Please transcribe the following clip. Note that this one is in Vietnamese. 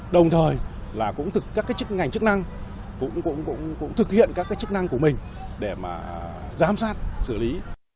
đồng thời các ngành chức năng cũng thực hiện các chức năng của mình để giám sát xử lý